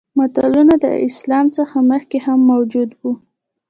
متلونه د اسلام څخه مخکې هم موجود وو